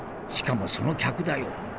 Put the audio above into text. しかもその客だよ。